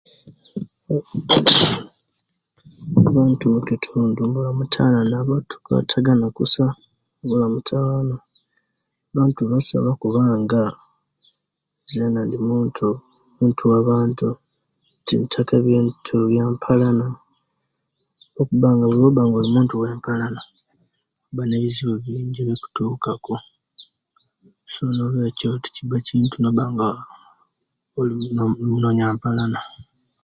Abantu omukitundi tuwula emitawana tukwatagana okusa ebula mitewano abantu basa lwa'kubanga zena ndi muntu muntu ba'bantu tintaka ebintu bye'mpalana lwa'kubanga owo'banga oli muntu wempalana oba ne'bizibu bingi ebikutukaku ekintu no'banga so nolwekyo tikisa no'banga ononya mpalana.